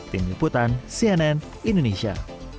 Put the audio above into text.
tim liputan cnn indonesia